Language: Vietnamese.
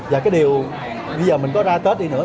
và cái điều bây giờ mình có ra tết đi nữa